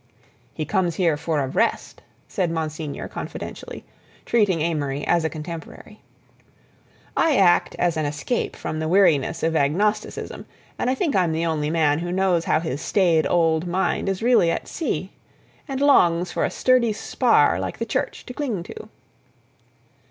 "He comes here for a rest," said Monsignor confidentially, treating Amory as a contemporary. "I act as an escape from the weariness of agnosticism, and I think I'm the only man who knows how his staid old mind is really at sea and longs for a sturdy spar like the Church to cling to."